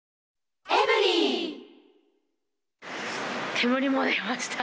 煙も出ました。